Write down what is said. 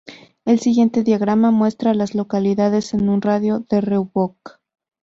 El siguiente diagrama muestra a las localidades en un radio de de Roebuck.